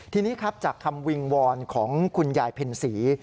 ทีนี้ครับจากคำวิงวอนของคุณยายเพ็ญศรี